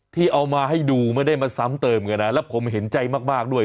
ที่เอามาให้ดูไม่ได้มาซ้ำเติมกันนะแล้วผมเห็นใจมากด้วย